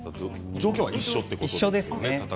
状況は一緒ということですね。